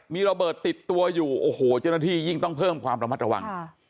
มีระเบิดติดตัวอยู่โอ้โหเจ้าหน้าที่ยิ่งต้องเพิ่มความระมัดระวัง